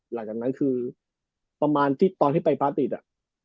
หลังจากนั้นคือประมาณที่ประทิตย์อะ